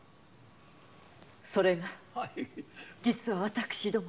それが実は私ども。